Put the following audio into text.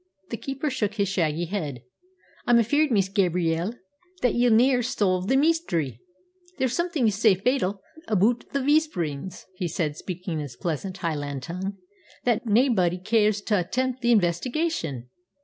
The keeper shook his shaggy head. "I'm afear'd, Miss Gabrielle, that ye'll ne'er solve the mystery. There's somethin' sae fatal aboot the whisperin's," he said, speaking in his pleasant Highland tongue, "that naebody cares tae attempt the investigation.